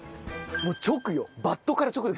もう直よ。